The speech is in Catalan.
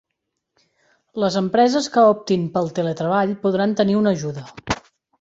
Les empreses que optin pel teletreball podran tenir una ajuda